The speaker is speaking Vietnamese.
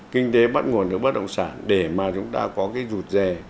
kinh tế bắt nguồn được bất động sản để mà chúng ta có cái rụt rè